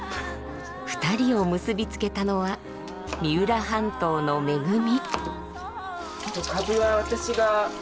二人を結び付けたのは三浦半島の恵み。